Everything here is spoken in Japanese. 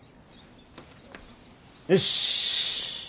よし。